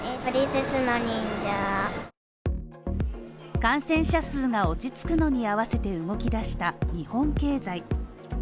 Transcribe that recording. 感染者数が落ち着くのに合わせて動き出した日本経済。